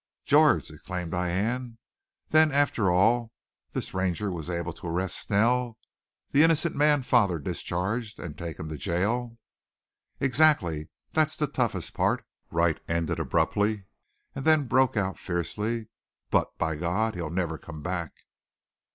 "George!" exclaimed Diane. "Then, after all, this Ranger was able to arrest Snell, the innocent man father discharged, and take him to jail?" "Exactly. That's the toughest part...." Wright ended abruptly, and then broke out fiercely: "But, by God, he'll never come back!"